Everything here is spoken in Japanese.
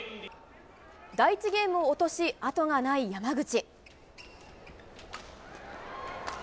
第１ゲームを落とし、後がない山口。